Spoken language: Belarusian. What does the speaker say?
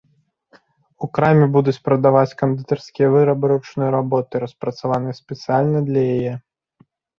У краме будуць прадаваць кандытарскія вырабы ручной работы, распрацаваныя спецыяльна для яе.